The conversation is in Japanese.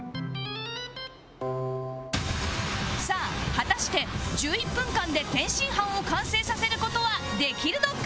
さあ果たして１１分間で天津飯を完成させる事はできるのか？